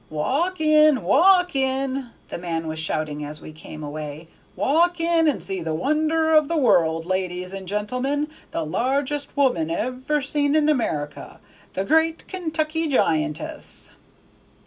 "Walk in! walk in!" the man was shouting as we came away. "Walk in and see the wonder of the world, ladies and gentlemen, the largest woman ever seen in America, the great Kentucky giantess!"